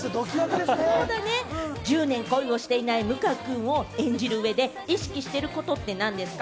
１０年恋をしていない向井くんを演じる上で意識していることって何ですか？